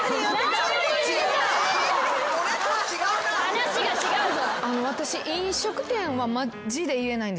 話が違うぞ。